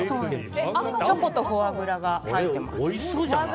チョコとフォアグラが入っています。